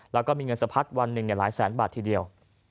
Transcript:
แล้วก็มีเงินสะพัดวันหนึ่งหลายแสนบาททีเดียว